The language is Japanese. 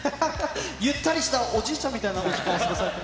ゆったりした、おじいちゃんみたいな時間を過ごされて。